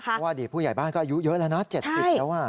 เพราะว่าอดีตผู้ใหญ่บ้านก็อายุเยอะแล้วนะ๗๐แล้ว